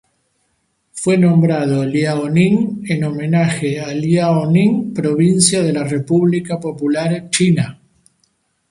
Fue nombrado Liaoning en homenaje a Liaoning provincia de la República Popular China.